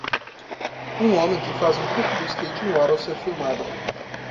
Um homem que faz um truque do skate no ar ao ser filmado.